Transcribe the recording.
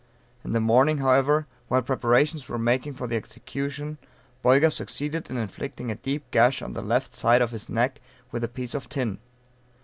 In the morning, however, while preparations were making for the execution, Boyga succeeded in inflicting a deep gash on the left side of his neck, with a piece of tin.